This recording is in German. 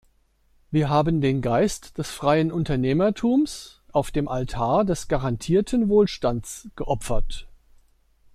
Wir haben den Geist des freien Unternehmertums auf dem Altar des garantierten Wohlstands geopfert.